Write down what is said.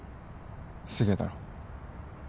すげえだろ？